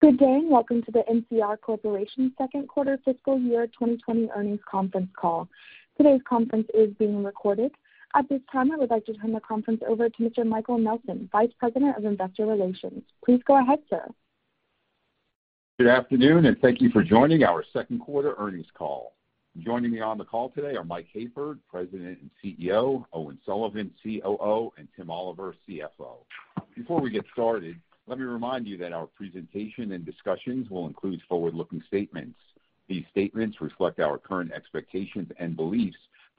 Good day, and welcome to the NCR Corporation second quarter fiscal year 2020 earnings conference call. Today's conference is being recorded. At this time, I would like to turn the conference over to Mr. Michael Nelson, Vice President of Investor Relations. Please go ahead, sir. Good afternoon. Thank you for joining our second quarter earnings call. Joining me on the call today are Mike Hayford, President and CEO, Owen Sullivan, COO, and Tim Oliver, CFO. Before we get started, let me remind you that our presentation and discussions will include forward-looking statements. These statements reflect our current expectations and beliefs.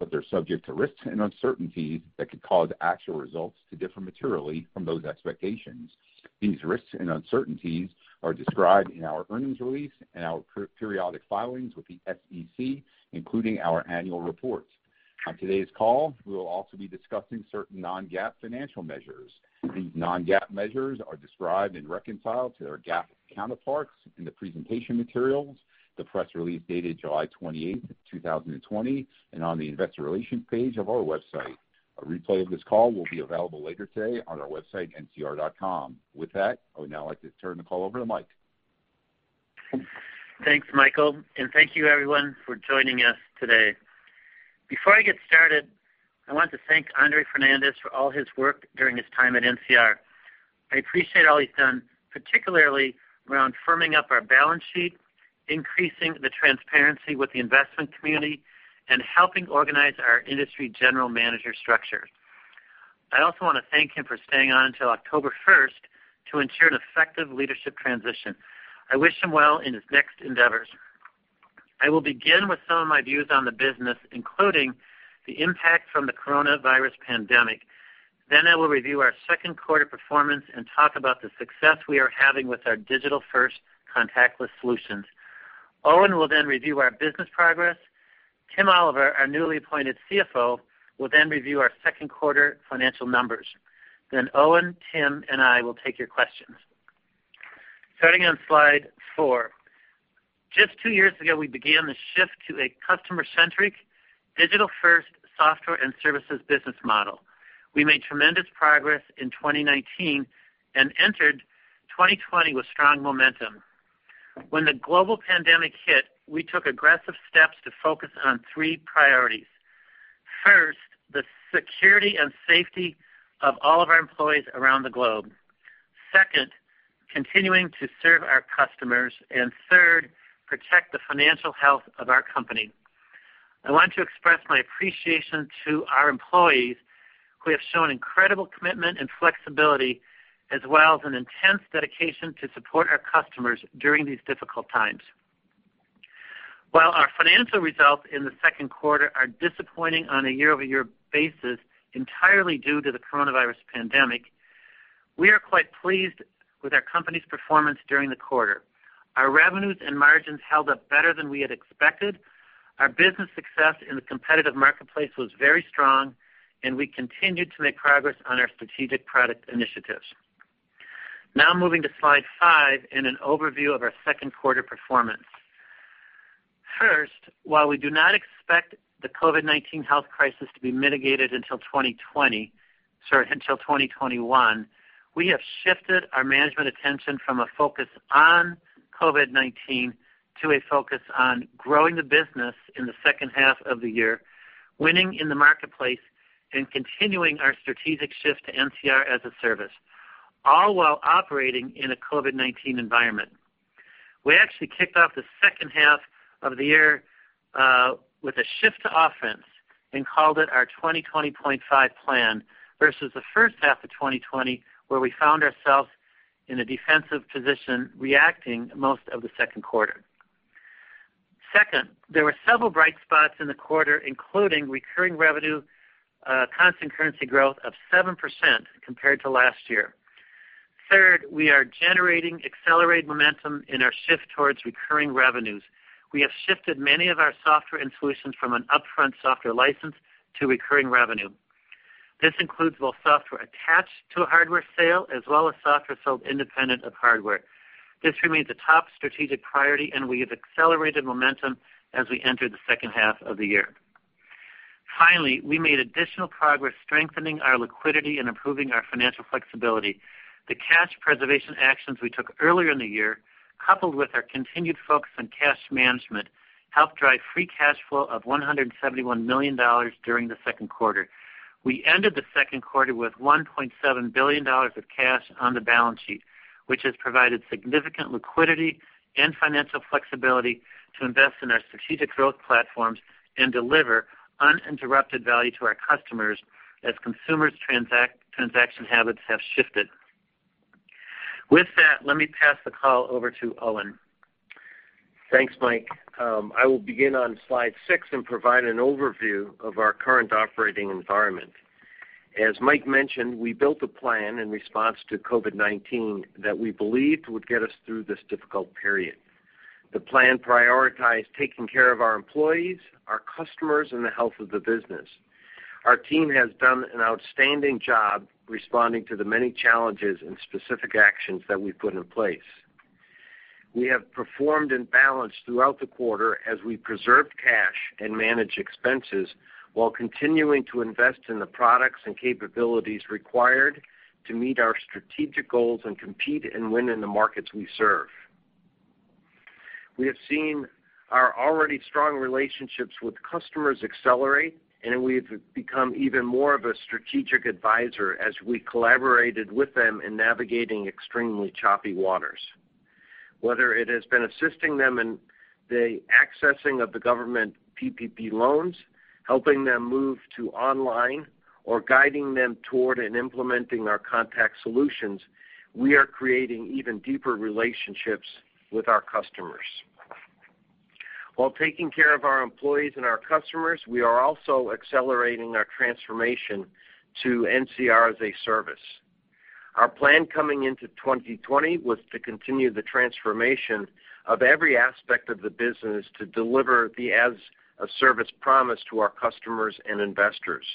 They're subject to risks and uncertainties that could cause actual results to differ materially from those expectations. These risks and uncertainties are described in our earnings release and our periodic filings with the SEC, including our annual reports. On today's call, we will also be discussing certain non-GAAP financial measures. These non-GAAP measures are described and reconciled to their GAAP counterparts in the presentation materials, the press release dated July 28, 2020, and on the investor relations page of our website. A replay of this call will be available later today on our website, ncr.com. With that, I would now like to turn the call over to Mike. Thanks, Michael. Thank you everyone for joining us today. Before I get started, I want to thank Andre Fernandez for all his work during his time at NCR. I appreciate all he's done, particularly around firming up our balance sheet, increasing the transparency with the investment community, and helping organize our industry general manager structure. I also want to thank him for staying on until October 1st to ensure an effective leadership transition. I wish him well in his next endeavors. I will begin with some of my views on the business, including the impact from the coronavirus pandemic. I will review our second quarter performance and talk about the success we are having with our digital-first contactless solutions. Owen will review our business progress. Tim Oliver, our newly appointed CFO, will review our second quarter financial numbers. Owen, Tim, and I will take your questions. Starting on slide four. Just two years ago, we began the shift to a customer-centric, digital-first software and services business model. We made tremendous progress in 2019 and entered 2020 with strong momentum. When the global pandemic hit, we took aggressive steps to focus on three priorities. First, the security and safety of all of our employees around the globe. Second, continuing to serve our customers. Third, protect the financial health of our company. I want to express my appreciation to our employees, who have shown incredible commitment and flexibility, as well as an intense dedication to support our customers during these difficult times. While our financial results in the second quarter are disappointing on a year-over-year basis, entirely due to the coronavirus pandemic, we are quite pleased with our company's performance during the quarter. Our revenues and margins held up better than we had expected. Our business success in the competitive marketplace was very strong, and we continued to make progress on our strategic product initiatives. Now, moving to slide five and an overview of our second quarter performance. First, while we do not expect the COVID-19 health crisis to be mitigated until 2021, we have shifted our management attention from a focus on COVID-19 to a focus on growing the business in the second half of the year, winning in the marketplace, and continuing our strategic shift to NCR as a Service, all while operating in a COVID-19 environment. We actually kicked off the second half of the year with a shift to offense and called it our 2020.5 plan versus the first half of 2020, where we found ourselves in a defensive position reacting most of the second quarter. Second, there were several bright spots in the quarter, including recurring revenue, constant currency growth of 7% compared to last year. Third, we are generating accelerated momentum in our shift towards recurring revenues. We have shifted many of our software and solutions from an upfront software license to recurring revenue. This includes both software attached to a hardware sale as well as software sold independent of hardware. This remains a top strategic priority, and we have accelerated momentum as we enter the second half of the year. Finally, we made additional progress strengthening our liquidity and improving our financial flexibility. The cash preservation actions we took earlier in the year, coupled with our continued focus on cash management, helped drive free cash flow of $171 million during the second quarter. We ended the second quarter with $1.7 billion of cash on the balance sheet, which has provided significant liquidity and financial flexibility to invest in our strategic growth platforms and deliver uninterrupted value to our customers as consumers' transaction habits have shifted. With that, let me pass the call over to Owen. Thanks, Mike. I will begin on slide six and provide an overview of our current operating environment. As Mike mentioned, we built a plan in response to COVID-19 that we believed would get us through this difficult period. The plan prioritized taking care of our employees, our customers, and the health of the business. Our team has done an outstanding job responding to the many challenges and specific actions that we've put in place. We have performed in balance throughout the quarter as we preserve cash and manage expenses while continuing to invest in the products and capabilities required to meet our strategic goals and compete and win in the markets we serve. We have seen our already strong relationships with customers accelerate, we've become even more of a strategic advisor as we collaborated with them in navigating extremely choppy waters. Whether it has been assisting them in the accessing of the government PPP loans, helping them move to online, or guiding them toward and implementing our contact solutions, we are creating even deeper relationships with our customers. While taking care of our employees and our customers, we are also accelerating our transformation to NCR as a Service. Our plan coming into 2020 was to continue the transformation of every aspect of the business to deliver the as-a-service promise to our customers and investors.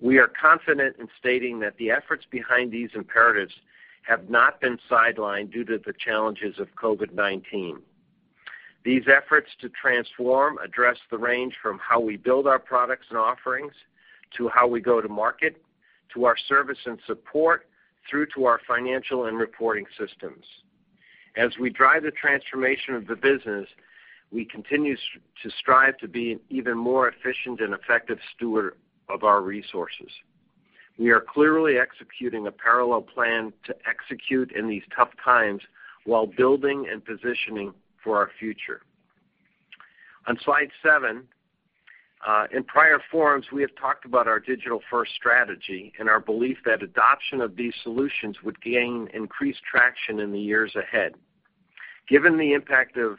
We are confident in stating that the efforts behind these imperatives have not been sidelined due to the challenges of COVID-19. These efforts to transform address the range from how we build our products and offerings, to how we go to market, to our service and support, through to our financial and reporting systems. As we drive the transformation of the business, we continue to strive to be an even more efficient and effective steward of our resources. We are clearly executing a parallel plan to execute in these tough times while building and positioning for our future. On slide seven, in prior forums we have talked about our digital-first strategy and our belief that adoption of these solutions would gain increased traction in the years ahead. Given the impact of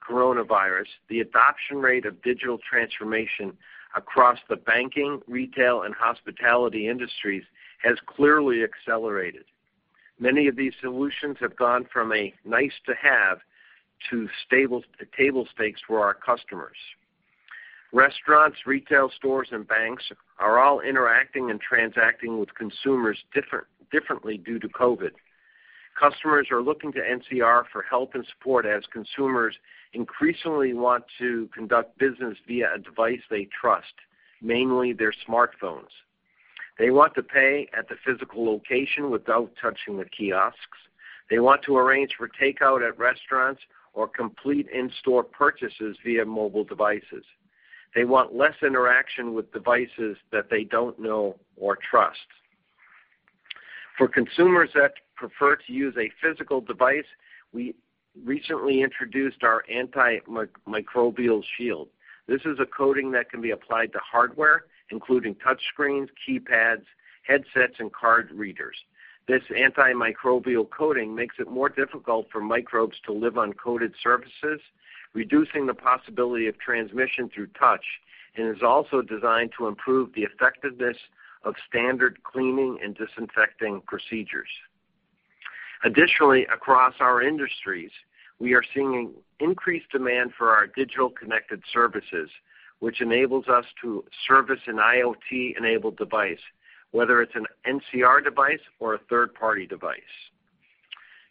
coronavirus, the adoption rate of digital transformation across the banking, retail, and hospitality industries has clearly accelerated. Many of these solutions have gone from a nice-to-have to table stakes for our customers. Restaurants, retail stores, and banks are all interacting and transacting with consumers differently due to COVID. Customers are looking to NCR for help and support as consumers increasingly want to conduct business via a device they trust, mainly their smartphones. They want to pay at the physical location without touching the kiosks. They want to arrange for takeout at restaurants or complete in-store purchases via mobile devices. They want less interaction with devices that they don't know or trust. For consumers that prefer to use a physical device, we recently introduced our antimicrobial shield. This is a coating that can be applied to hardware, including touchscreens, keypads, headsets, and card readers. This antimicrobial coating makes it more difficult for microbes to live on coated surfaces, reducing the possibility of transmission through touch, and is also designed to improve the effectiveness of standard cleaning and disinfecting procedures. Additionally, across our industries, we are seeing increased demand for our digital connected services, which enables us to service an IoT-enabled device, whether it's an NCR device or a third-party device.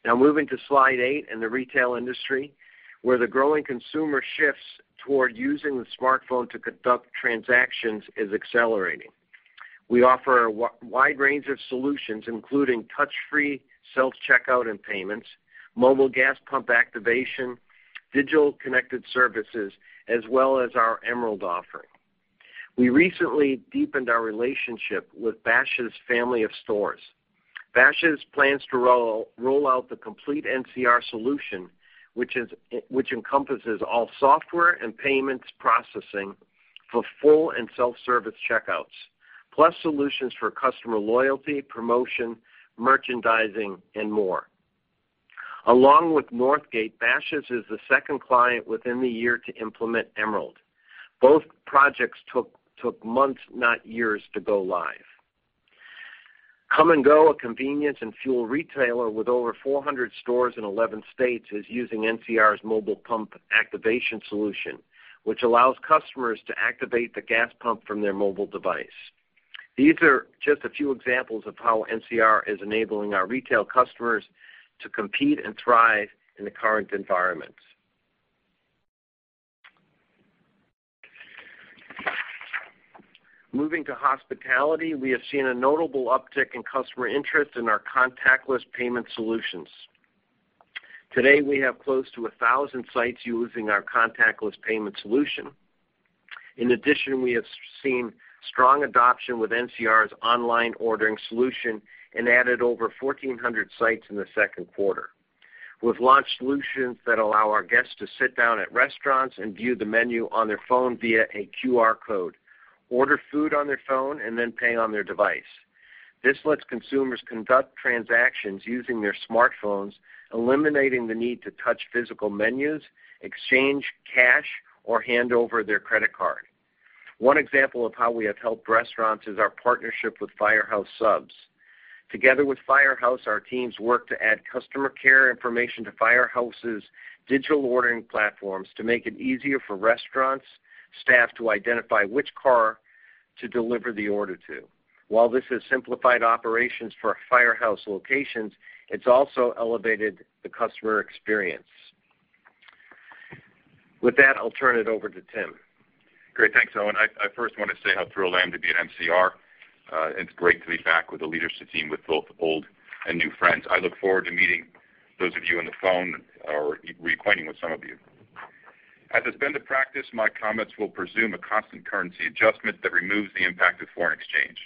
Now, moving to slide eight in the retail industry, where the growing consumer shifts toward using the smartphone to conduct transactions is accelerating. We offer a wide range of solutions, including touch-free self-checkout and payments, mobile pump activation, digital connected services, as well as our Emerald offering. We recently deepened our relationship with Bashas' family of stores. Bashas' plans to roll out the complete NCR solution, which encompasses all software and payments processing for full and self-service checkouts, plus solutions for customer loyalty, promotion, merchandising, and more. Along with Northgate, Bashas' is the second client within the year to implement Emerald. Both projects took months, not years, to go live. Kum & Go, a convenience and fuel retailer with over 400 stores in 11 states, is using NCR's mobile pump activation solution, which allows customers to activate the gas pump from their mobile device. These are just a few examples of how NCR is enabling our retail customers to compete and thrive in the current environment. Moving to hospitality, we have seen a notable uptick in customer interest in our contactless payment solutions. Today, we have close to 1,000 sites using our contactless payment solution. In addition, we have seen strong adoption with NCR's online ordering solution and added over 1,400 sites in the second quarter. We've launched solutions that allow our guests to sit down at restaurants and view the menu on their phone via a QR code, order food on their phone, and then pay on their device. This lets consumers conduct transactions using their smartphones, eliminating the need to touch physical menus, exchange cash, or hand over their credit card. One example of how we have helped restaurants is our partnership with Firehouse Subs. Together with Firehouse, our teams worked to add customer care information to Firehouse's digital ordering platforms to make it easier for restaurant staff to identify which car to deliver the order to. While this has simplified operations for our Firehouse locations, it's also elevated the customer experience. With that, I'll turn it over to Tim. Great. Thanks, Owen. I first want to say how thrilled I am to be at NCR. It's great to be back with the leadership team, with both old and new friends. I look forward to meeting those of you on the phone or reacquainting with some of you. As has been the practice, my comments will presume a constant currency adjustment that removes the impact of foreign exchange.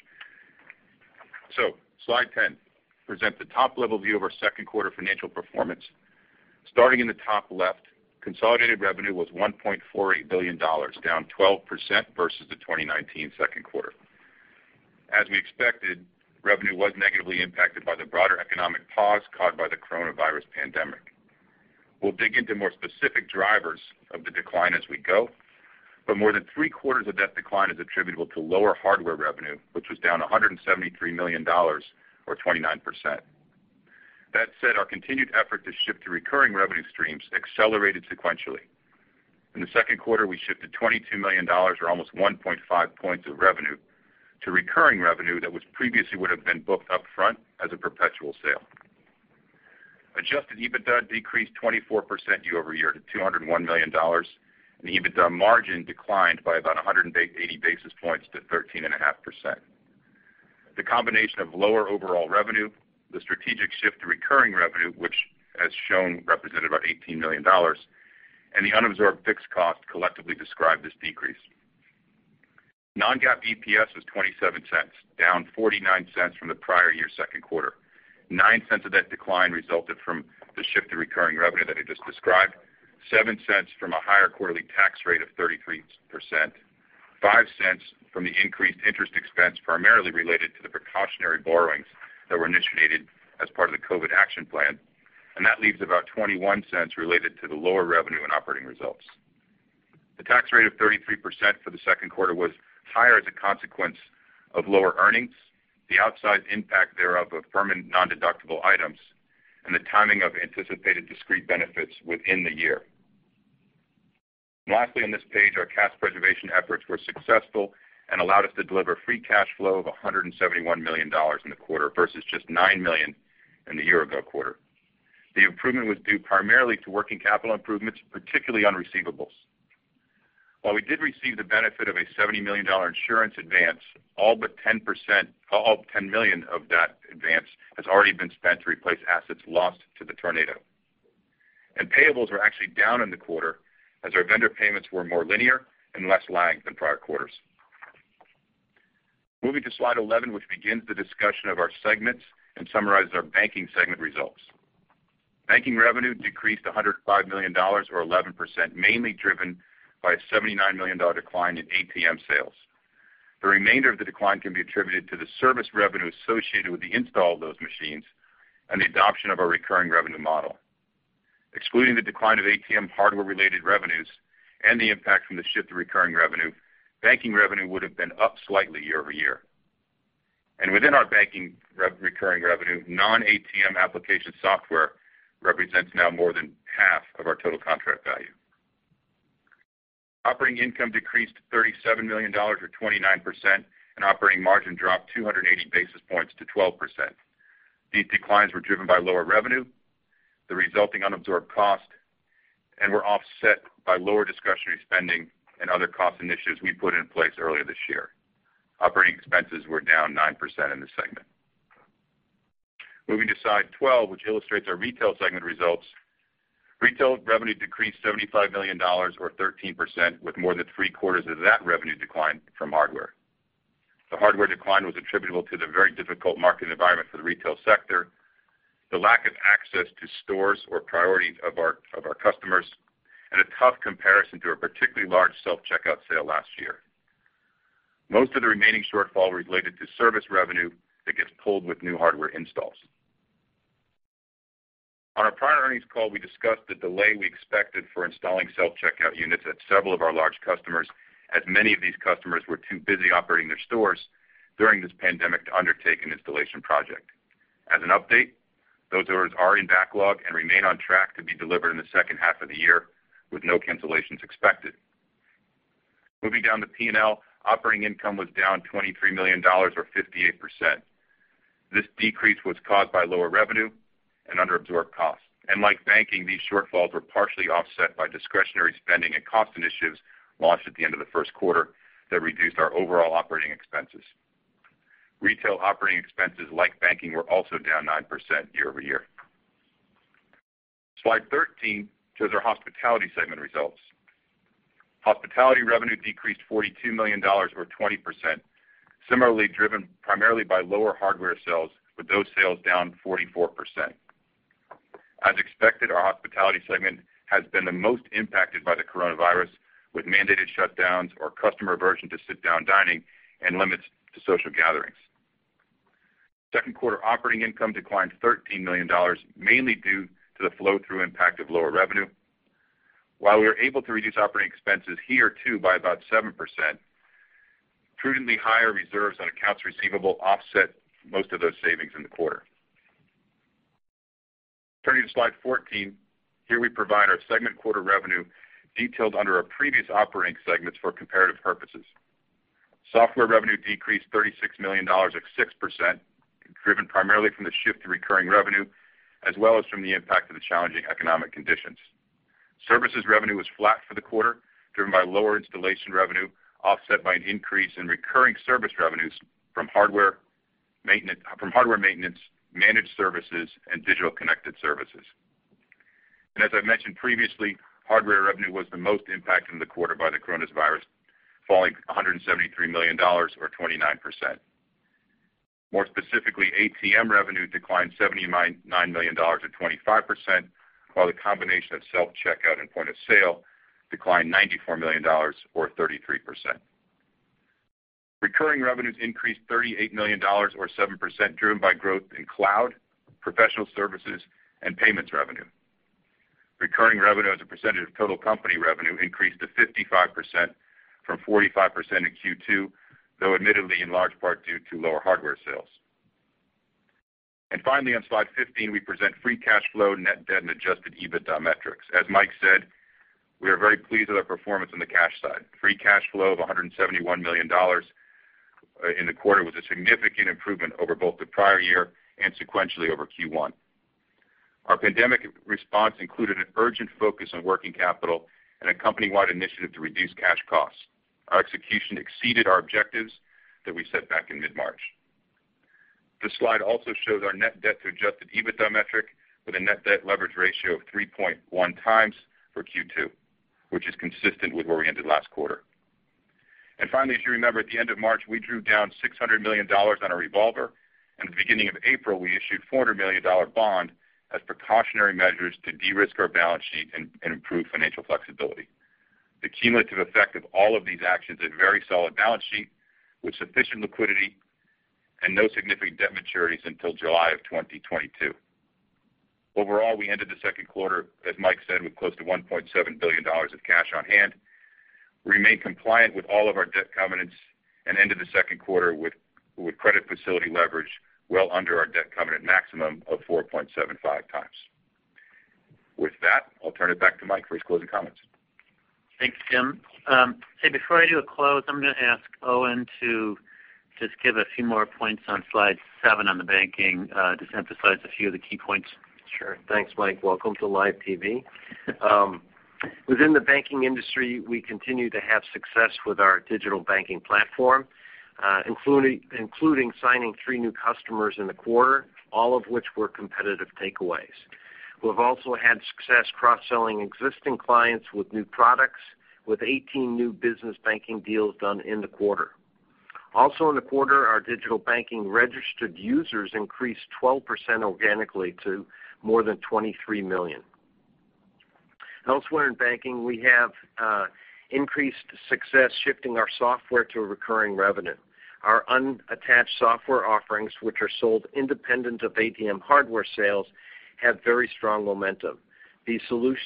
Slide 10 presents a top-level view of our second quarter financial performance. Starting in the top left, consolidated revenue was $1.48 billion, down 12% versus the 2019 second quarter. As we expected, revenue was negatively impacted by the broader economic pause caused by the coronavirus pandemic. We'll dig into more specific drivers of the decline as we go, but more than three-quarters of that decline is attributable to lower hardware revenue, which was down $173 million or 29%. That said, our continued effort to shift to recurring revenue streams accelerated sequentially. In the second quarter, we shifted $22 million or almost 1.5 points of revenue to recurring revenue that was previously would have been booked upfront as a perpetual sale. Adjusted EBITDA decreased 24% year-over-year to $201 million, and EBITDA margin declined by about 180 basis points to 13.5%. The combination of lower overall revenue, the strategic shift to recurring revenue, which as shown represented about $18 million, and the unabsorbed fixed cost collectively described this decrease. Non-GAAP EPS was $0.27, down $0.49 from the prior year second quarter. $0.09 of that decline resulted from the shift to recurring revenue that I just described, $0.07 from a higher quarterly tax rate of 33%, $0.05 from the increased interest expense primarily related to the precautionary borrowings that were initiated as part of the COVID action plan. That leaves about $0.21 related to the lower revenue and operating results. The tax rate of 33% for the second quarter was higher as a consequence of lower earnings, the outsized impact thereof of permanent nondeductible items, and the timing of anticipated discrete benefits within the year. Lastly, on this page, our cash preservation efforts were successful and allowed us to deliver free cash flow of $171 million in the quarter versus just $9 million in the year-ago quarter. The improvement was due primarily to working capital improvements, particularly on receivables. While we did receive the benefit of a $70 million insurance advance, all but $10 million of that advance has already been spent to replace assets lost to the tornado. Payables were actually down in the quarter as our vendor payments were more linear and less lagged than prior quarters. Moving to slide 11, which begins the discussion of our segments and summarizes our banking segment results. Banking revenue decreased $105 million or 11%, mainly driven by a $79 million decline in ATM sales. The remainder of the decline can be attributed to the service revenue associated with the install of those machines and the adoption of our recurring revenue model. Excluding the decline of ATM hardware-related revenues and the impact from the shift to recurring revenue, banking revenue would've been up slightly year-over-year. Within our Banking recurring revenue, non-ATM application software represents now more than half of our total contract value. Operating income decreased to $37 million or 29%, and operating margin dropped 280 basis points to 12%. These declines were driven by lower revenue, the resulting unabsorbed cost, and were offset by lower discretionary spending and other cost initiatives we put in place earlier this year. Operating expenses were down 9% in this segment. Moving to slide 12, which illustrates our Retail segment results. Retail revenue decreased $75 million or 13%, with more than three-quarters of that revenue decline from hardware. The hardware decline was attributable to the very difficult market environment for the retail sector, the lack of access to stores or priority of our customers, and a tough comparison to a particularly large self-checkout sale last year. Most of the remaining shortfall related to service revenue that gets pulled with new hardware installs. On our prior earnings call, we discussed the delay we expected for installing self-checkout units at several of our large customers, as many of these customers were too busy operating their stores during this pandemic to undertake an installation project. As an update, those orders are in backlog and remain on track to be delivered in the second half of the year with no cancellations expected. Moving down to P&L, operating income was down $23 million or 58%. This decrease was caused by lower revenue and under-absorbed costs. Like banking, these shortfalls were partially offset by discretionary spending and cost initiatives launched at the end of the first quarter that reduced our overall operating expenses. Retail operating expenses, like banking, were also down 9% year-over-year. Slide 13 shows our hospitality segment results. Hospitality revenue decreased $42 million or 20%, similarly driven primarily by lower hardware sales, with those sales down 44%. As expected, our hospitality segment has been the most impacted by the coronavirus, with mandated shutdowns or customer aversion to sit-down dining and limits to social gatherings. Second quarter operating income declined to $13 million, mainly due to the flow-through impact of lower revenue. While we were able to reduce operating expenses here too by about 7%, prudently higher reserves on accounts receivable offset most of those savings in the quarter. To slide 14. Here we provide our segment quarter revenue detailed under our previous operating segments for comparative purposes. Software revenue decreased $36 million at 6%, driven primarily from the shift to recurring revenue, as well as from the impact of the challenging economic conditions. Services revenue was flat for the quarter, driven by lower installation revenue, offset by an increase in recurring service revenues from hardware maintenance, managed services, and digital connected services. Hardware revenue was the most impacted in the quarter by the coronavirus, falling $173 million or 29%. More specifically, ATM revenue declined $79 million or 25%, while the combination of self-checkout and point-of-sale declined $94 million or 33%. Recurring revenues increased $38 million or 7%, driven by growth in cloud, professional services, and Payments revenue. Recurring revenue as a percentage of total company revenue increased to 55% from 45% in Q2, though admittedly in large part due to lower hardware sales. Finally, on slide 15, we present free cash flow, net debt, and adjusted EBITDA metrics. As Mike said, we are very pleased with our performance on the cash side. Free cash flow of $171 million in the quarter was a significant improvement over both the prior year and sequentially over Q1. Our pandemic response included an urgent focus on working capital and a company-wide initiative to reduce cash costs. Our execution exceeded our objectives that we set back in mid-March. This slide also shows our net debt to adjusted EBITDA metric with a net debt leverage ratio of 3.1x for Q2, which is consistent with where we ended last quarter. Finally, as you remember, at the end of March, we drew down $600 million on our revolver, and at the beginning of April, we issued a $400 million bond as precautionary measures to de-risk our balance sheet and improve financial flexibility. The cumulative effect of all of these actions is a very solid balance sheet with sufficient liquidity and no significant debt maturities until July of 2022. Overall, we ended the second quarter, as Mike said, with close to $1.7 billion of cash on hand. We remain compliant with all of our debt covenants and ended the second quarter with credit facility leverage well under our debt covenant maximum of 4.75x. With that, I'll turn it back to Mike for his closing comments. Thanks, Tim. Hey, before I do a close, I am going to ask Owen to just give a few more points on slide seven on the banking, just emphasize a few of the key points. Sure. Thanks, Mike. Welcome to live TV. Within the banking industry, we continue to have success with our digital banking platform, including signing three new customers in the quarter, all of which were competitive takeaways. We've also had success cross-selling existing clients with new products with 18 new business banking deals done in the quarter. Also in the quarter, our digital banking registered users increased 12% organically to more than 23 million. Elsewhere in banking, we have increased success shifting our software to recurring revenue. Our unattached software offerings, which are sold independent of ATM hardware sales, have very strong momentum. These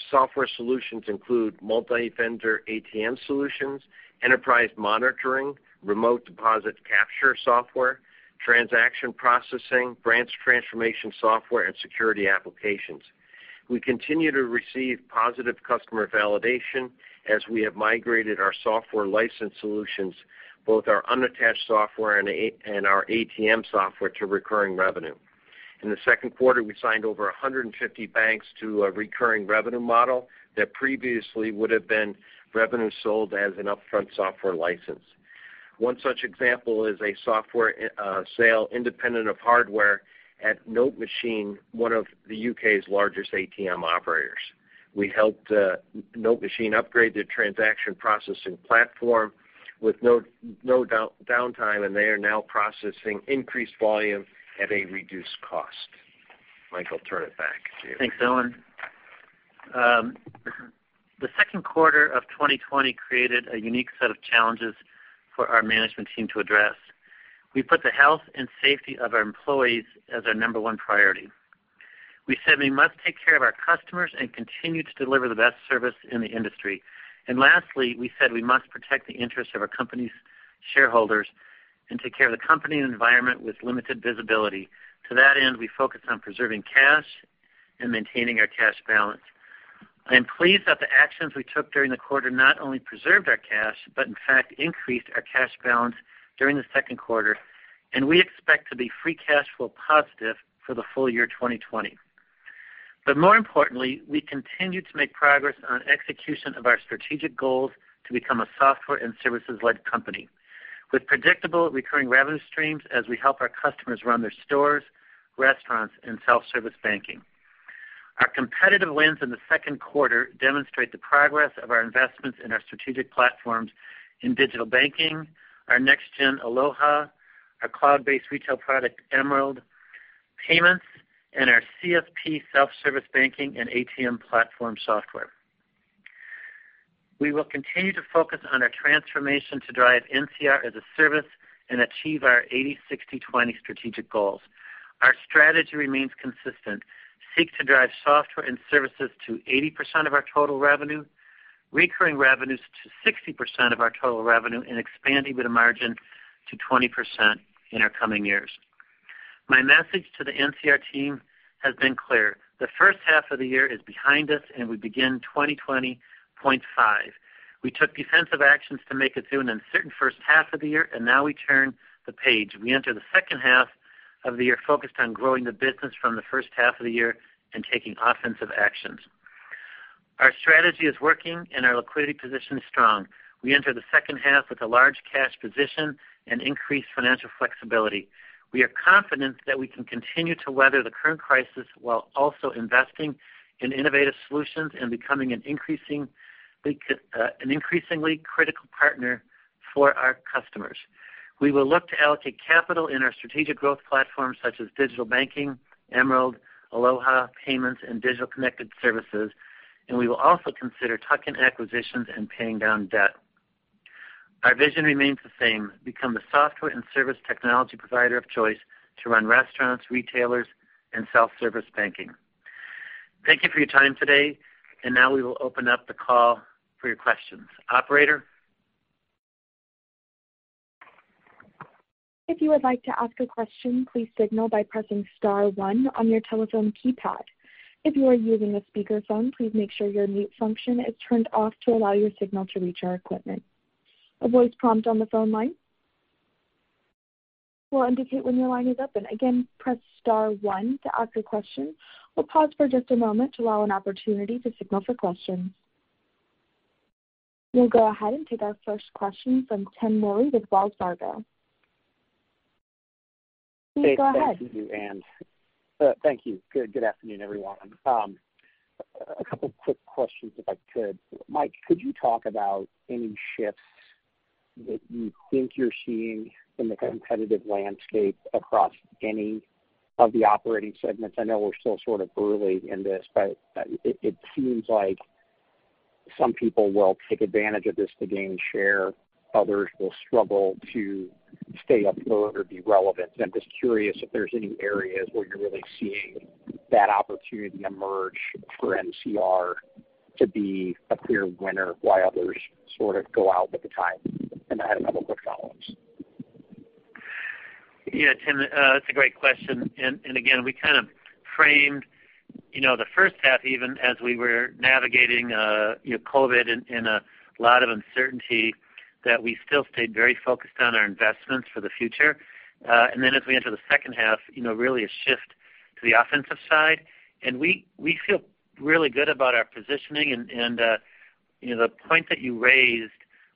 software solutions include multi-vendor ATM solutions, enterprise monitoring, remote deposit capture software, transaction processing, branch transformation software, and security applications. We continue to receive positive customer validation as we have migrated our software license solutions, both our unattached software and our ATM software, to recurring revenue. In the second quarter, we signed over 150 banks to a recurring revenue model that previously would have been revenue sold as an upfront software license. One such example is a software sale independent of hardware at NoteMachine, one of the U.K.'s largest ATM operators. We helped NoteMachine upgrade their transaction processing platform with no downtime, and they are now processing increased volume at a reduced cost. Mike, I'll turn it back to you. Thanks, Owen. The second quarter of 2020 created a unique set of challenges for our management team to address. We put the health and safety of our employees as our number one priority. We said we must take care of our customers and continue to deliver the best service in the industry. Lastly, we said we must protect the interests of our company's shareholders and take care of the company and environment with limited visibility. To that end, we focused on preserving cash and maintaining our cash balance. I am pleased that the actions we took during the quarter not only preserved our cash but in fact increased our cash balance during the second quarter, and we expect to be free cash flow positive for the full year 2020. More importantly, we continue to make progress on execution of our strategic goals to become a software and services-led company with predictable recurring revenue streams as we help our customers run their stores, restaurants, and self-service banking. Our competitive wins in the second quarter demonstrate the progress of our investments in our strategic platforms in digital banking, our next-gen Aloha, our cloud-based retail product Emerald Payments, and our CSP self-service banking and ATM platform software. We will continue to focus on our transformation to drive NCR as a Service and achieve our 80/60/20 strategic goals. Our strategy remains consistent: seek to drive software and services to 80% of our total revenue. Recurring revenues to 60% of our total revenue and expanding with a margin to 20% in our coming years. My message to the NCR team has been clear. The first half of the year is behind us, and we begin 2020.5. We took defensive actions to make it through an uncertain first half of the year, and now we turn the page. We enter the second half of the year focused on growing the business from the first half of the year and taking offensive actions. Our strategy is working, and our liquidity position is strong. We enter the second half with a large cash position and increased financial flexibility. We are confident that we can continue to weather the current crisis while also investing in innovative solutions and becoming an increasingly critical partner for our customers. We will look to allocate capital in our strategic growth platforms such as digital banking, Emerald, Aloha, Payments, and digital connected services, and we will also consider tuck-in acquisitions and paying down debt. Our vision remains the same: become the software and service technology provider of choice to run restaurants, retailers, and self-service banking. Thank you for your time today. Now we will open up the call for your questions. Operator? If you would like to ask a question, please signal by pressing star one on your telephone keypad. If you are using a speakerphone, please make sure your mute function is turned off to allow your signal to reach our equipment. A voice prompt on the phone line will indicate when your line is open. Again, press star one to ask a question. We'll pause for just a moment to allow an opportunity to signal for questions. We'll go ahead and take our first question from Tim Morris with Wells Fargo. Please go ahead. Thank you, Anne. Thank you. Good afternoon, everyone. A couple of quick questions, if I could. Mike, could you talk about any shifts that you think you're seeing in the competitive landscape across any of the operating segments? I know we're still early in this, but it seems like some people will take advantage of this to gain share. Others will struggle to stay afloat or be relevant. I'm just curious if there's any areas where you're really seeing that opportunity emerge for NCR to be a clear winner, while others sort of go out with the tide. I had another quick follow-ups. Yeah, Tim, that's a great question. Again, we kind of framed the first half, even as we were navigating COVID and a lot of uncertainty, that we still stayed very focused on our investments for the future. Then as we enter the second half, really a shift to the offensive side. We feel really good about our positioning and the point that you raised,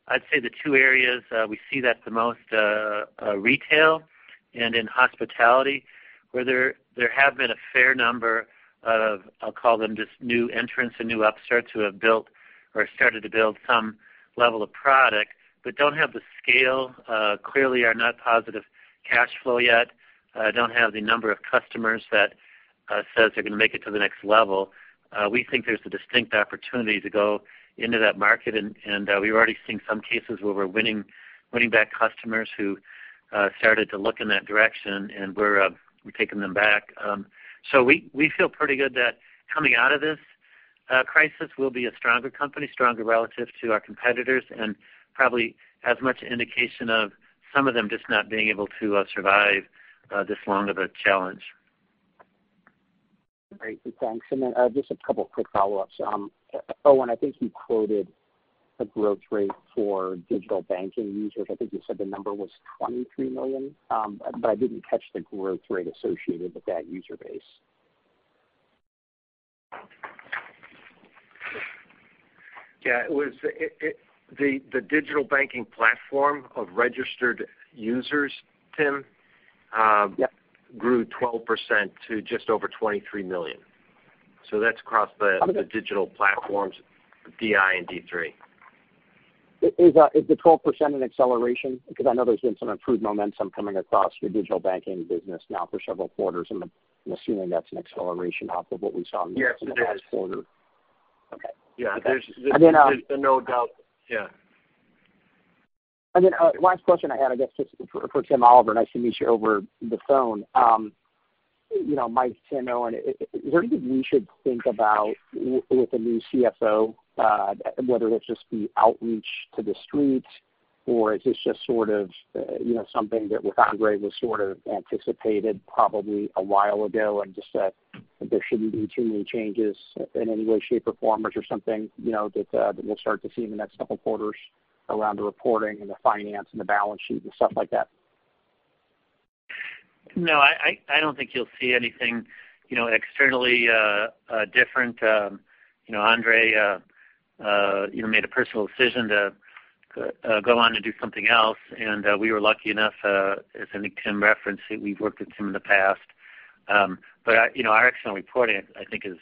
I'd say the two areas we see that the most are retail and in hospitality, where there have been a fair number of, I'll call them just new entrants and new upstarts who have built or started to build some level of product, but don't have the scale, clearly are not positive cash flow yet, don't have the number of customers that says they're going to make it to the next level. We think there's a distinct opportunity to go into that market, and we've already seen some cases where we're winning back customers who started to look in that direction, and we're taking them back. We feel pretty good that coming out of this crisis, we'll be a stronger company, stronger relative to our competitors, and probably as much an indication of some of them just not being able to survive this long of a challenge. Great. Thanks. Just a couple quick follow-ups. I think you quoted a growth rate for digital banking users. I think you said the number was 23 million, but I didn't catch the growth rate associated with that user base. Yeah. The digital banking platform of registered users, Tim grew 12% to just over 23 million. That's across the digital platforms, DI and D3. Is the 12% an acceleration? Because I know there's been some improved momentum coming across your digital banking now for several quarters, I'm assuming that's an acceleration off of what we saw. Yes, it is. In the last quarter. Okay. Yeah. There's no doubt. Yeah. Last question I had, I guess just for Tim Oliver, nice to meet you over the phone. Mike, Tim, Owen, is there anything we should think about with the new CFO, whether that's just the outreach to The Street, or is this just something that with Andre was sort of anticipated probably a while ago, and just that there shouldn't be too many changes in any way, shape, or form or something that we'll start to see in the next couple of quarters around the reporting and the finance and the balance sheet and stuff like that? No, I don't think you'll see anything externally different. Andre made a personal decision to go on to do something else, and we were lucky enough, as I think Tim referenced, we've worked with him in the past. Our external reporting, I think, is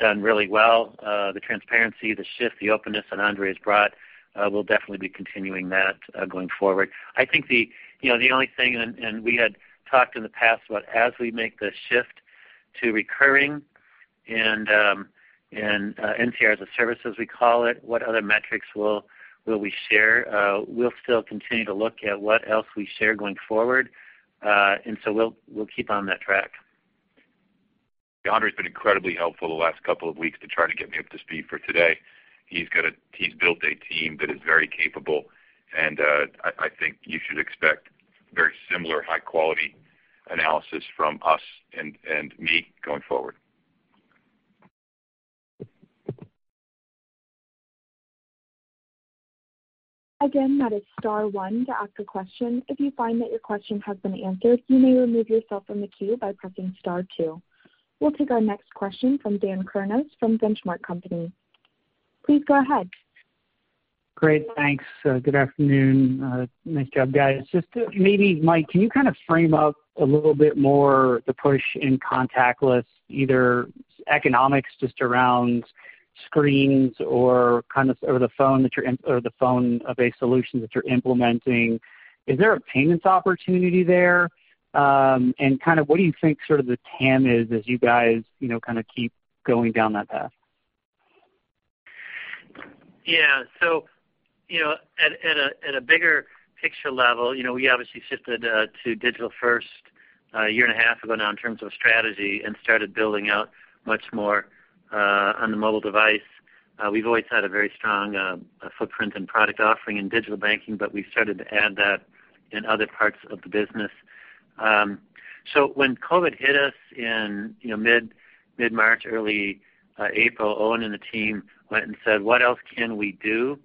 done really well. The transparency, the shift, the openness that Andre has brought, we'll definitely be continuing that going forward. I think the only thing, and we had talked in the past about as we make this shift to recurring and NCR as a Service, as we call it, what other metrics will we share? We'll still continue to look at what else we share going forward. We'll keep on that track. Andre's been incredibly helpful the last couple of weeks to try to get me up to speed for today. He's built a team that is very capable, and I think you should expect very similar high-quality analysis from us and me going forward. Again, that is star one to ask a question. If you find that your question has been answered, you may remove yourself from the queue by pressing star two. We'll take our next question from Daniel Kurnos of The Benchmark Company. Please go ahead. Great. Thanks. Good afternoon. Nice job, guys. Just maybe, Mike, can you frame out a little bit more the push in contactless, either economics just around screens or the phone-based solutions that you're implementing. Is there a payments opportunity there? What do you think the TAM is as you guys keep going down that path? Yeah. At a bigger picture level, we obviously shifted to digital first a year and a half ago now in terms of strategy and started building out much more on the mobile device. We've always had a very strong footprint and product offering in digital banking, but we've started to add that in other parts of the business. When COVID hit us in mid March, early April, Owen and the team went and said, "What else can we do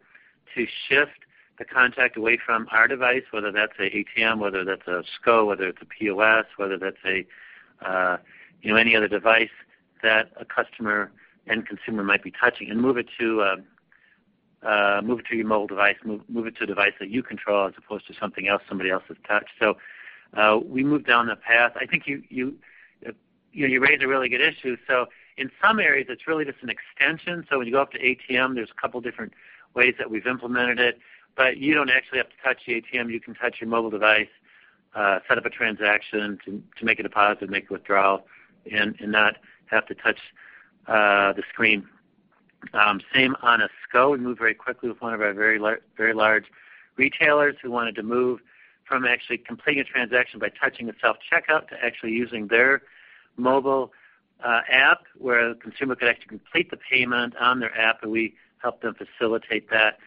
to shift the contact away from our device," whether that's a ATM, whether that's a SCO, whether it's a POS, whether that's any other device that a customer and consumer might be touching and move it to your mobile device, move it to a device that you control as opposed to something else somebody else has touched. We moved down that path. I think you raised a really good issue. In some areas, it's really just an extension. When you go up to ATM, there's a couple different ways that we've implemented it, but you don't actually have to touch the ATM. You can touch your mobile device, set up a transaction to make a deposit, make a withdrawal, and not have to touch the screen. Same on a SCO. We moved very quickly with one of our very large retailers who wanted to move from actually completing a transaction by touching a self-checkout to actually using their mobile app, where the consumer could actually complete the payment on their app, and we helped them facilitate that.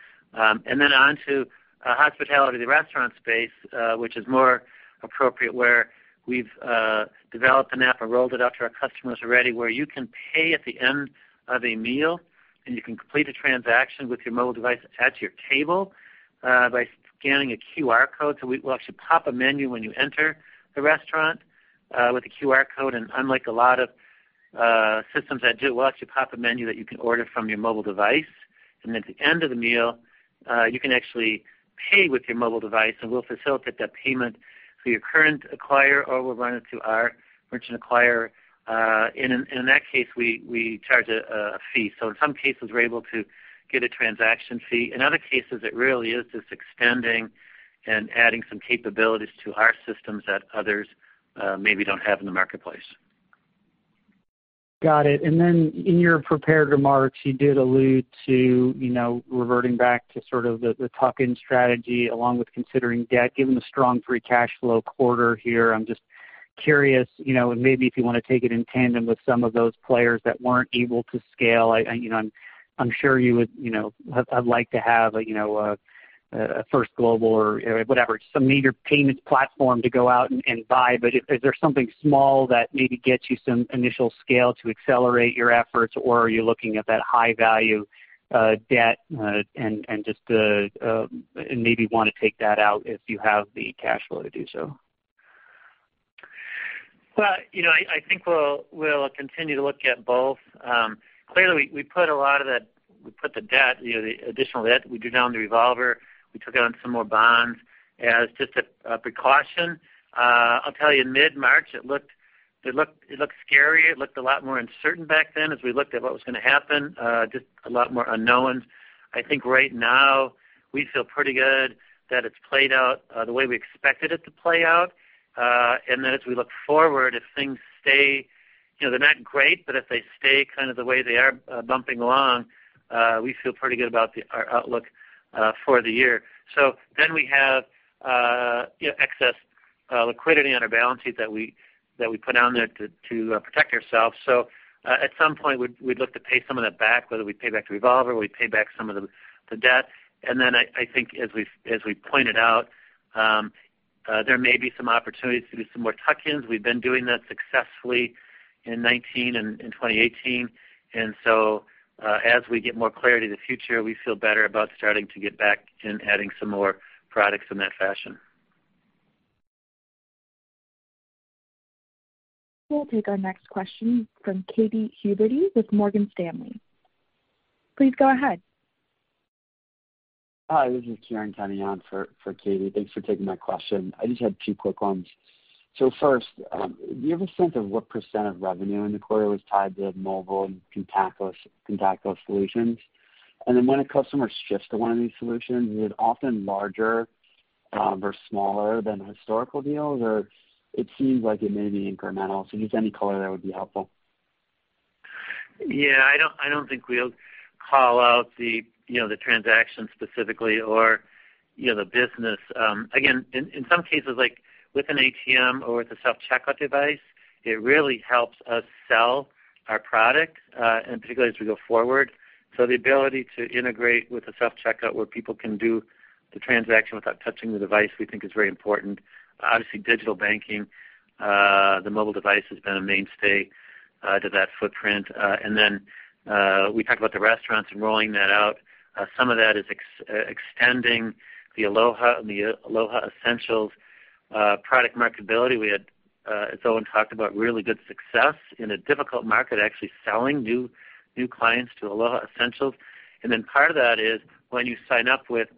Onto hospitality, the restaurant space which is more appropriate where we've developed an app and rolled it out to our customers already, where you can pay at the end of a meal, and you can complete a transaction with your mobile device attached to your table by scanning a QR code. We will actually pop a menu when you enter the restaurant with a QR code. Unlike a lot of systems that do it, we'll actually pop a menu that you can order from your mobile device. At the end of the meal, you can actually pay with your mobile device, and we'll facilitate that payment through your current acquirer, or we'll run it through our merchant acquirer. In that case, we charge a fee. In some cases, we're able to get a transaction fee. In other cases, it really is just extending and adding some capabilities to our systems that others maybe don't have in the marketplace. Got it. In your prepared remarks, you did allude to reverting back to the tuck-in strategy along with considering debt. Given the strong free cash flow quarter here, I'm just curious, and maybe if you want to take it in tandem with some of those players that weren't able to scale. I'm sure you would have liked to have a First Global or whatever, some major payments platform to go out and buy. Is there something small that maybe gets you some initial scale to accelerate your efforts, or are you looking at that high-value debt and just maybe want to take that out if you have the cash flow to do so? I think we'll continue to look at both. Clearly, we put the additional debt. We drew down the revolver. We took on some more bonds as just a precaution. I'll tell you, mid-March, it looked scary. It looked a lot more uncertain back then as we looked at what was going to happen, just a lot more unknowns. I think right now we feel pretty good that it's played out the way we expected it to play out. As we look forward, if things stay, they're not great, but if they stay the way they are bumping along, we feel pretty good about our outlook for the year. We have excess liquidity on our balance sheet that we put on there to protect ourselves. At some point, we'd look to pay some of that back, whether we pay back the revolver, we pay back some of the debt. I think as we pointed out, there may be some opportunities to do some more tuck-ins. We've been doing that successfully in 2019 and in 2018. As we get more clarity in the future, we feel better about starting to get back and adding some more products in that fashion. We'll take our next question from Katy Huberty with Morgan Stanley. Please go ahead. Hi, this is Kieran Kenny for Katy. Thanks for taking my question. I just had two quick ones. First, do you have a sense of what % of revenue in the quarter was tied to mobile and contactless solutions? When a customer shifts to one of these solutions, is it often larger versus smaller than historical deals? It seems like it may be incremental. Just any color there would be helpful. Yeah, I don't think we'll call out the transaction specifically or the business. In some cases, like with an ATM or with a self-checkout device, it really helps us sell our product, particularly as we go forward. The ability to integrate with a self-checkout where people can do the transaction without touching the device, we think is very important. Obviously, digital banking, the mobile device has been a mainstay to that footprint. We talked about the restaurants and rolling that out. Some of that is extending the Aloha and the Aloha Essentials product marketability. We had, as Owen talked about, really good success in a difficult market, actually selling new clients to Aloha Essentials. Part of that is when you sign up with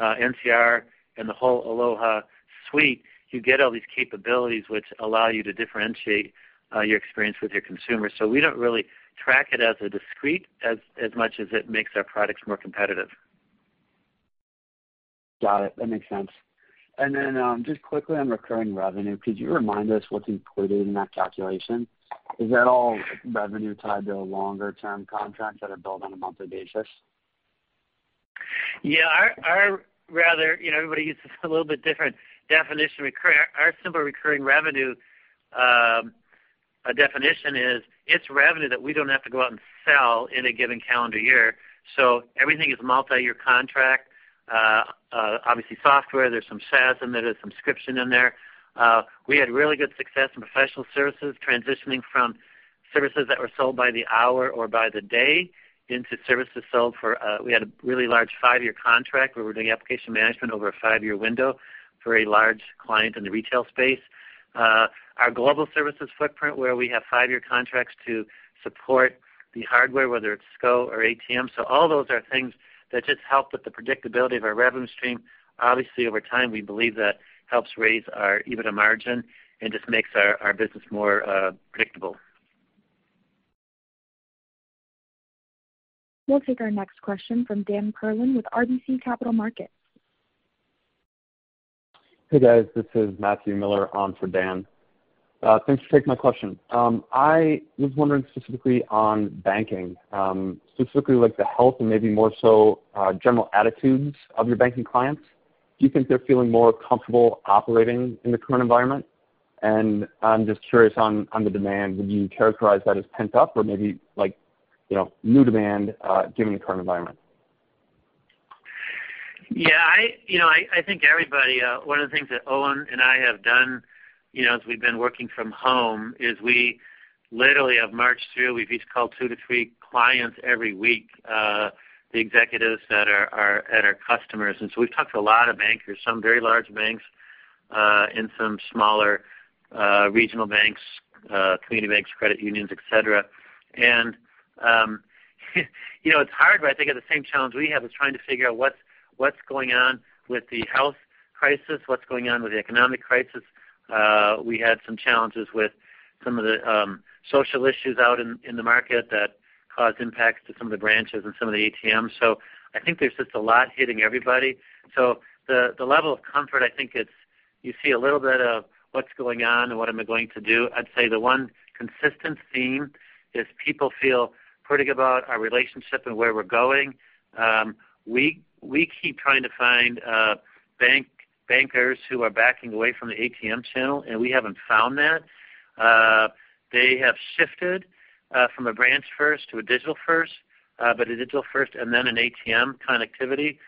NCR and the whole Aloha suite, you get all these capabilities which allow you to differentiate your experience with your consumers. We don't really track it as a discrete, as much as it makes our products more competitive. Got it. That makes sense. Then just quickly on recurring revenue, could you remind us what's included in that calculation? Is that all revenue tied to longer-term contracts that are billed on a monthly basis? Everybody uses a little bit different definition. Our simple recurring revenue definition is it's revenue that we don't have to go out and sell in a given calendar year. Everything is multi-year contract. Obviously software, there's some SaaS in there's subscription in there. We had really good success in professional services, transitioning from services that were sold by the hour or by the day into services. We had a really large five-year contract where we're doing application management over a five-year window for a large client in the retail space. Our global services footprint, where we have five-year contracts to support the hardware, whether it's SCO or ATM. All those are things that just help with the predictability of our revenue stream. Obviously, over time, we believe that helps raise our EBITDA margin and just makes our business more predictable. We'll take our next question from Dan Perlin with RBC Capital Markets. Hey, guys. This is Matthew Miller on for Dan. Thanks for taking my question. I was wondering specifically on banking, specifically like the health and maybe more so general attitudes of your banking clients. Do you think they're feeling more comfortable operating in the current environment? I'm just curious on the demand, would you characterize that as pent-up or maybe new demand given the current environment? Yeah. One of the things that Owen and I have done as we've been working from home is we literally have marched through, we've each called two to three clients every week, the executives that are at our customers. We've talked to a lot of bankers, some very large banks and some smaller regional banks, community banks, credit unions, et cetera. It's hard, but I think at the same challenge we have is trying to figure out what's going on with the health crisis, what's going on with the economic crisis. We had some challenges with some of the social issues out in the market that caused impacts to some of the branches and some of the ATMs. I think there's just a lot hitting everybody. The level of comfort, I think you see a little bit of what's going on and what am I going to do? I'd say the one consistent theme is people feel pretty good about our relationship and where we're going. We keep trying to find bankers who are backing away from the ATM channel, and we haven't found that. They have shifted from a branch first to a digital first, but a digital first and then an ATM connectivity.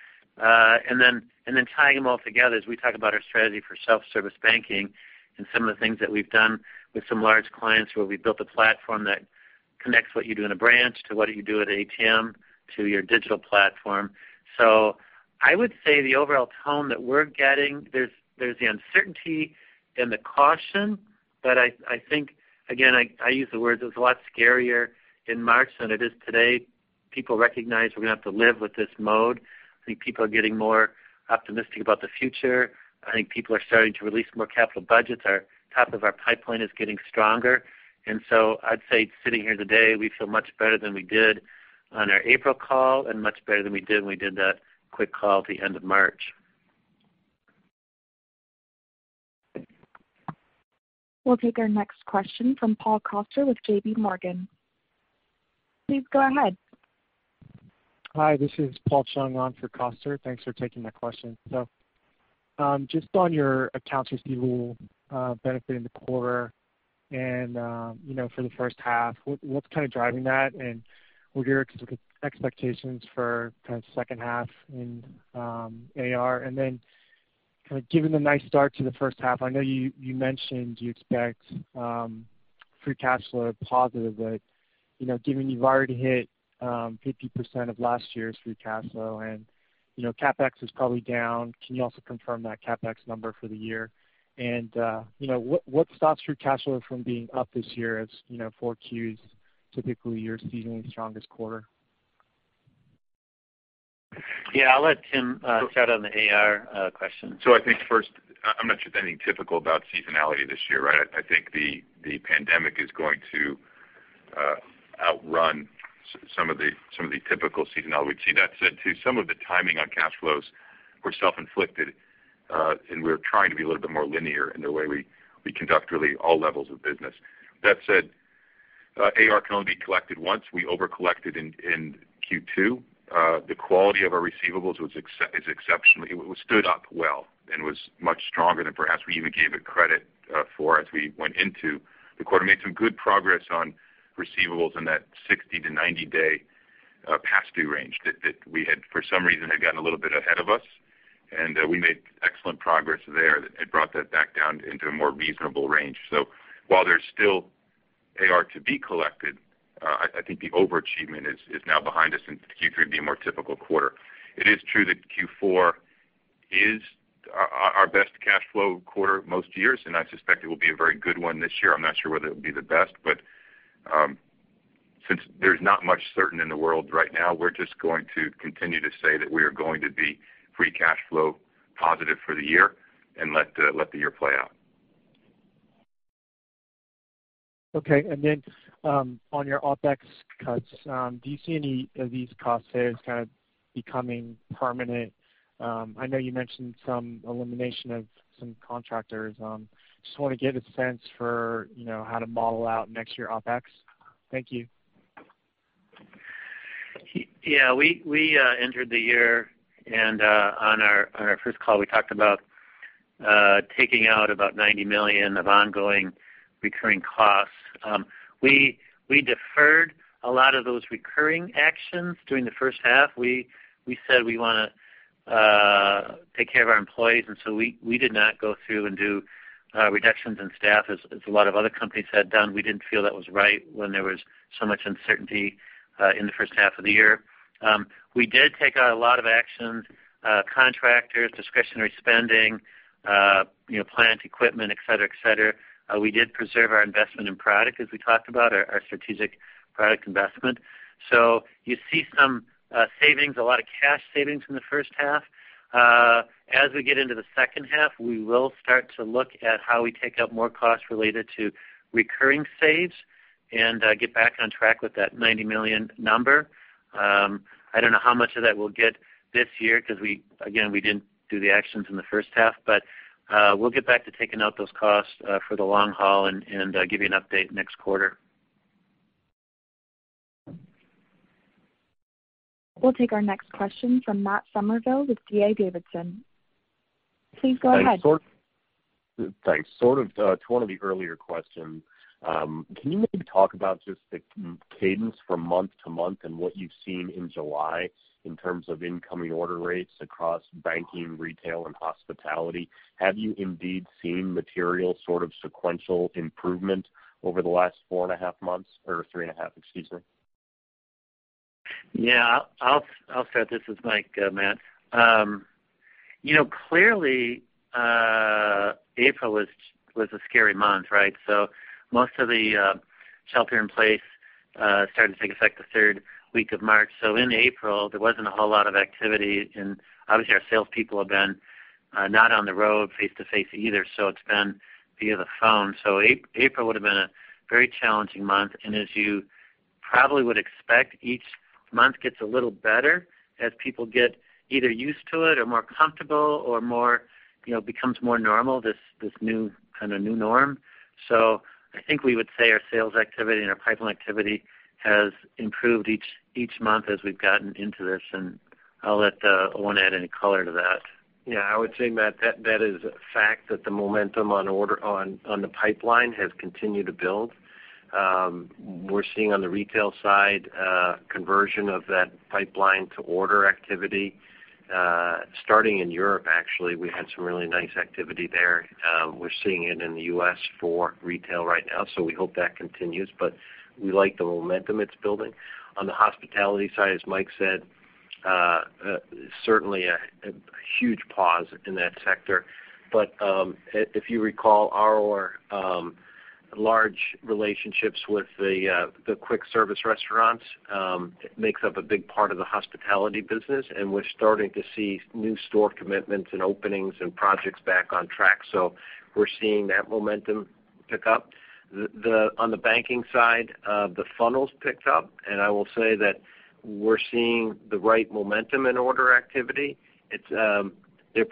Tying them all together as we talk about our strategy for self-service banking and some of the things that we've done with some large clients where we built a platform that connects what you do in a branch to what you do at ATM to your digital platform. I would say the overall tone that we're getting, there's the uncertainty and the caution, but I think, again, I use the words, it was a lot scarier in March than it is today. People recognize we're going to have to live with this mode. I think people are getting more optimistic about the future. I think people are starting to release more capital budgets. Our top of our pipeline is getting stronger. I'd say sitting here today, we feel much better than we did on our April call and much better than we did when we did that quick call at the end of March. We'll take our next question from Paul Coster with J.P. Morgan. Please go ahead. Hi, this is Paul Chung on for Paul Coster. Thanks for taking my question. Just on your accounts receivable benefiting the quarter and for the first half, what's kind of driving that and what are your expectations for kind of second half in AR? Given the nice start to the first half, I know you mentioned you expect free cash flow positive, but given you've already hit 50% of last year's free cash flow and CapEx is probably down, can you also confirm that CapEx number for the year? What stops your cash flow from being up this year as four Qs, typically your seasonally strongest quarter? I'll let Tim start on the AR question. I think first, I'm not sure there's anything typical about seasonality this year, right? I think the pandemic is going to outrun some of the typical seasonality we'd see. That said, too, some of the timing on cash flows were self-inflicted. We're trying to be a little bit more linear in the way we conduct really all levels of business. That said, AR can only be collected once. We over-collected in Q2. The quality of our receivables is exceptional. It stood up well and was much stronger than perhaps we even gave it credit for as we went into the quarter. Made some good progress on receivables in that 60-90 days past due range that for some reason had gotten a little bit ahead of us, and we made excellent progress there that had brought that back down into a more reasonable range. While there's still AR to be collected, I think the overachievement is now behind us and Q3 will be a more typical quarter. It is true that Q4 is our best cash flow quarter most years, and I suspect it will be a very good one this year. I'm not sure whether it will be the best, but since there's not much certain in the world right now, we're just going to continue to say that we are going to be free cash flow positive for the year and let the year play out. Okay. On your OpEx cuts, do you see any of these cost saves kind of becoming permanent? I know you mentioned some elimination of some contractors. Just want to get a sense for how to model out next year OpEx. Thank you. Yeah. We entered the year and on our first call, we talked about taking out about $90 million of ongoing recurring costs. We deferred a lot of those recurring actions during the first half. We said we want to take care of our employees, and so we did not go through and do reductions in staff as a lot of other companies had done. We didn't feel that was right when there was so much uncertainty in the first half of the year. We did take a lot of actions, contractors, discretionary spending, plant equipment, et cetera. We did preserve our investment in product, as we talked about, our strategic product investment. You see some savings, a lot of cash savings in the first half. As we get into the second half, we will start to look at how we take out more costs related to recurring saves and get back on track with that $90 million number. I don't know how much of that we'll get this year because, again, we didn't do the actions in the first half. We'll get back to taking out those costs for the long haul and give you an update next quarter. We'll take our next question from Matt Summerville with D.A. Davidson. Please go ahead. Thanks. Sort of to one of the earlier questions, can you maybe talk about just the cadence from month-to-month and what you've seen in July in terms of incoming order rates across banking, retail, and hospitality? Have you indeed seen material sort of sequential improvement over the last four and a half months, or three and a half? Excuse me. I'll start this. This is Mike, Matt. Clearly, April was a scary month, right? Most of the shelter in place started to take effect the third week of March. In April, there wasn't a whole lot of activity, and obviously our salespeople have been not on the road face-to-face either, so it's been via the phone. April would've been a very challenging month. As you probably would expect, each month gets a little better as people get either used to it or more comfortable or it becomes more normal, this kind of new norm. I think we would say our sales activity and our pipeline activity has improved each month as we've gotten into this, and I'll let Owen add any color to that. I would say, Matt, that is a fact that the momentum on the pipeline has continued to build. We're seeing on the retail side conversion of that pipeline to order activity. Starting in Europe, actually, we had some really nice activity there. We're seeing it in the U.S. for retail right now, so we hope that continues, but we like the momentum it's building. On the hospitality side, as Mike said, certainly a huge pause in that sector. If you recall, our large relationships with the quick service restaurants makes up a big part of the hospitality business, and we're starting to see new store commitments and openings and projects back on track. We're seeing that momentum pick up. On the banking side, the funnels picked up, and I will say that we're seeing the right momentum in order activity. They're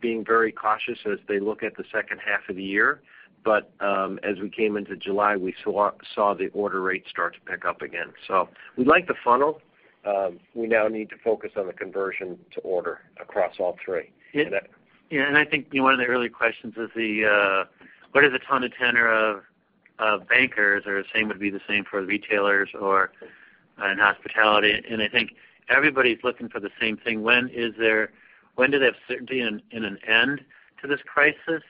being very cautious as they look at the second half of the year. As we came into July, we saw the order rate start to pick up again. We like the funnel. We now need to focus on the conversion to order across all three. Yeah. I think one of the early questions was what is the tone and tenor of bankers, or the same would be the same for retailers or in hospitality. I think everybody's looking for the same thing. When do they have certainty in an end to this crisis?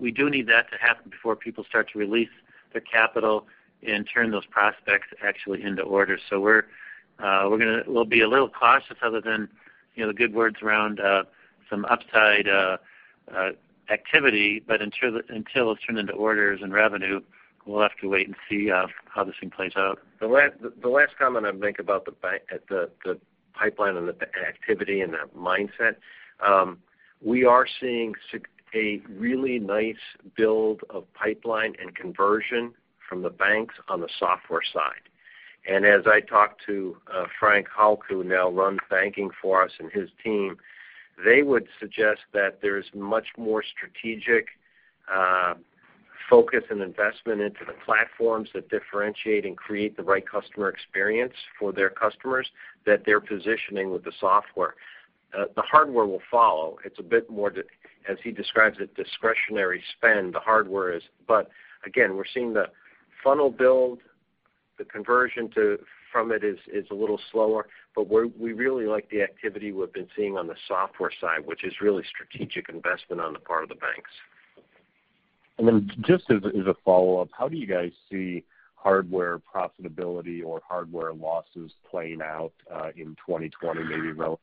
We do need that to happen before people start to release their capital and turn those prospects actually into orders. We'll be a little cautious other than the good words around some upside activity. Until it's turned into orders and revenue, we'll have to wait and see how this thing plays out. The last comment I'd make about the pipeline and the activity and the mindset. We are seeing a really nice build of pipeline and conversion from the banks on the software side. As I talk to Frank Hauck, who now runs banking for us, and his team, they would suggest that there is much more strategic focus and investment into the platforms that differentiate and create the right customer experience for their customers that they're positioning with the software. The hardware will follow. It's a bit more, as he describes it, discretionary spend, the hardware is. Again, we're seeing the funnel build, the conversion from it is a little slower. We really like the activity we've been seeing on the software side, which is really strategic investment on the part of the banks. Just as a follow-up, how do you guys see hardware profitability or hardware losses playing out, in 2020 maybe relative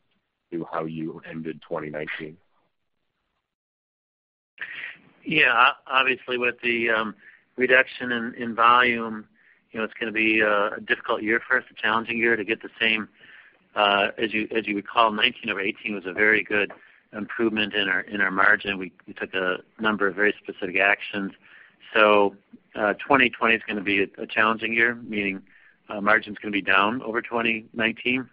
to how you ended 2019? Obviously with the reduction in volume, it's going to be a difficult year for us. As you recall, 2019 over 2018 was a very good improvement in our margin. We took a number of very specific actions. 2020 is going to be a challenging year, meaning margins going to be down over 2019.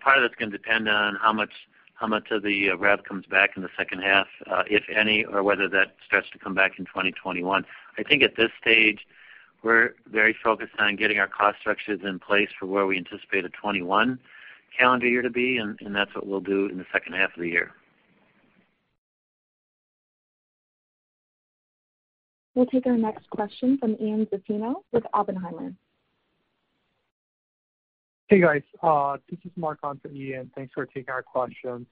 Part of it's going to depend on how much of the rev comes back in the second half, if any, or whether that starts to come back in 2021. I think at this stage, we're very focused on getting our cost structures in place for where we anticipate the 2021 calendar year to be. That's what we'll do in the second half of the year. We'll take our next question from Ian Zaffino with Oppenheimer. Hey, guys. This is Mark on for Ian. Thanks for taking our question.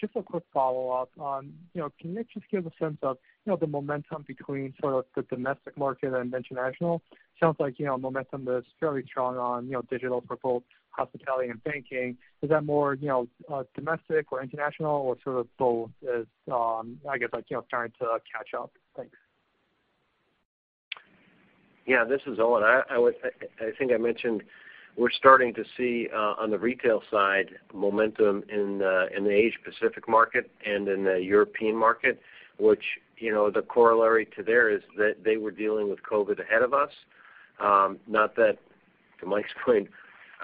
Just a quick follow-up on, can you just give a sense of the momentum between the domestic market and international? Sounds like momentum is fairly strong on digital for both hospitality and banking. Is that more domestic or international, or both as, I guess, starting to catch up? Thanks. Yeah, this is Owen. I think I mentioned we're starting to see, on the retail side, momentum in the Asia Pacific market and in the European market, which the corollary to there is that they were dealing with COVID ahead of us. Not that, to Mike's point,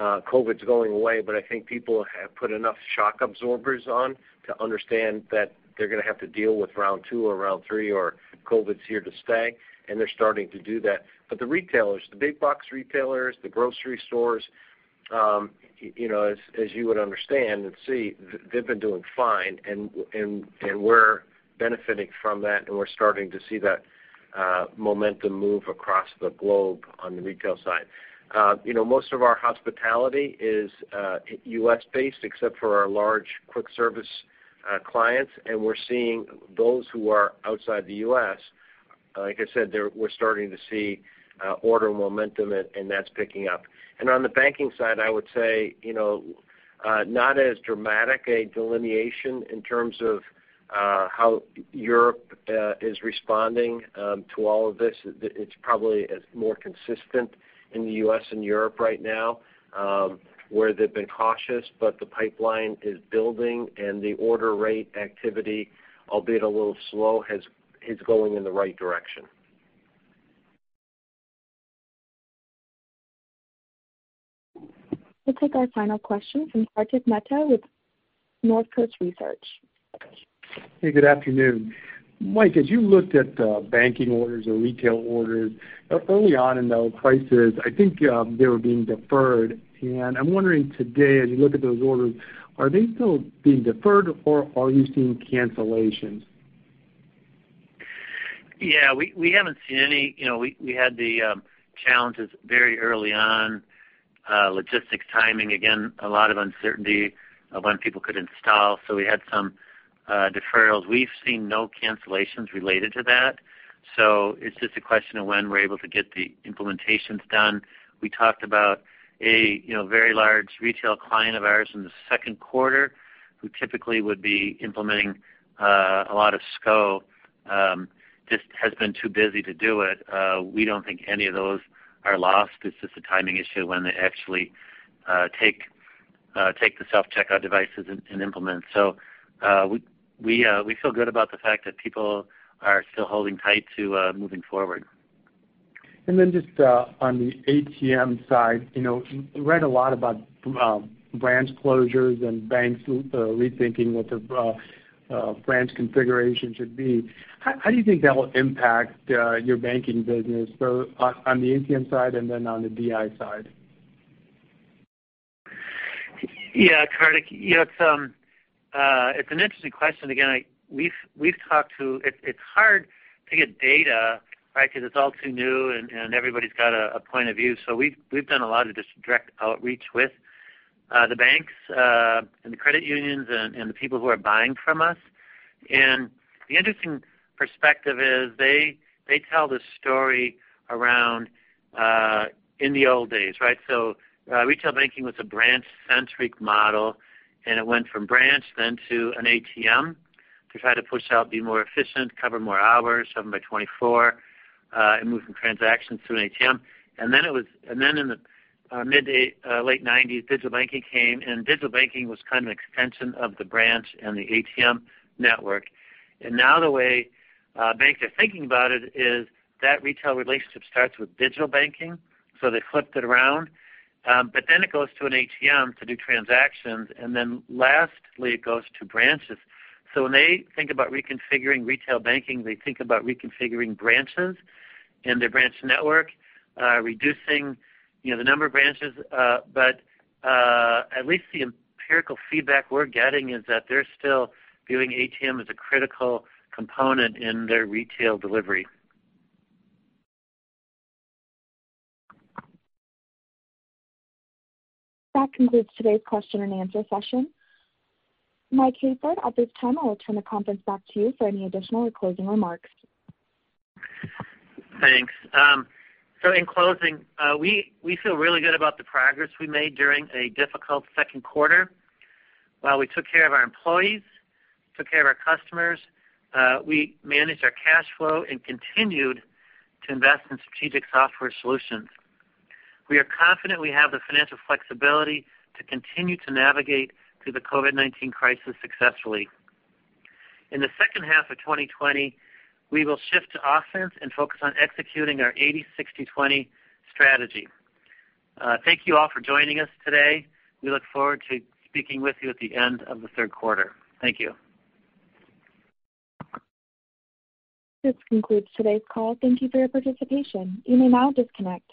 COVID's going away, but I think people have put enough shock absorbers on to understand that they're going to have to deal with round two or round three, or COVID's here to stay, and they're starting to do that. The retailers, the big box retailers, the grocery stores, as you would understand and see, they've been doing fine, and we're benefiting from that, and we're starting to see that momentum move across the globe on the retail side. Most of our hospitality is U.S.-based, except for our large quick-service clients, and we're seeing those who are outside the U.S., like I said, we're starting to see order momentum, and that's picking up. On the banking side, I would say, not as dramatic a delineation in terms of how Europe is responding to all of this. It's probably more consistent in the U.S. and Europe right now, where they've been cautious, but the pipeline is building, and the order rate activity, albeit a little slow, is going in the right direction. We'll take our final question from Kartik Mehta with Northcoast Research. Hey, good afternoon. Mike, as you looked at the banking orders or retail orders, early on in the crisis, I think they were being deferred. I'm wondering today, as you look at those orders, are they still being deferred, or are you seeing cancellations? Yeah, we had the challenges very early on, logistics, timing, again, a lot of uncertainty of when people could install. We had some deferrals. We've seen no cancellations related to that. It's just a question of when we're able to get the implementations done. We talked about a very large retail client of ours in the second quarter who typically would be implementing a lot of scope, just has been too busy to do it. We don't think any of those are lost. It's just a timing issue when they actually take the self-checkout devices and implement. We feel good about the fact that people are still holding tight to moving forward. Just on the ATM side, read a lot about branch closures and banks rethinking what their branch configuration should be. How do you think that will impact your banking business, both on the ATM side and on the DI side? Yeah, Kartik, it's an interesting question. Again, it's hard to get data, right, because it's all too new, and everybody's got a point of view. We've done a lot of just direct outreach with the banks, and the credit unions, and the people who are buying from us. The interesting perspective is they tell the story around, in the old days, right? Retail banking was a branch-centric model, and it went from branch then to an ATM to try to push out, be more efficient, cover more hours, seven by 24, and move from transactions to an ATM. In the mid to late 1990s, digital banking came, and digital banking was kind of an extension of the branch and the ATM network. Now the way banks are thinking about it is that retail relationship starts with digital banking, so they flipped it around. It goes to an ATM to do transactions, and then lastly, it goes to branches. When they think about reconfiguring retail banking, they think about reconfiguring branches and their branch network, reducing the number of branches. At least the empirical feedback we're getting is that they're still viewing ATM as a critical component in their retail delivery. That concludes today's question and answer session. Mike Hayford, at this time, I will turn the conference back to you for any additional or closing remarks. Thanks. In closing, we feel really good about the progress we made during a difficult second quarter. While we took care of our employees, took care of our customers, we managed our cash flow and continued to invest in strategic software solutions. We are confident we have the financial flexibility to continue to navigate through the COVID-19 crisis successfully. In the second half of 2020, we will shift to offense and focus on executing our 80/60/20 strategy. Thank you all for joining us today. We look forward to speaking with you at the end of the third quarter. Thank you. This concludes today's call. Thank you for your participation. You may now disconnect.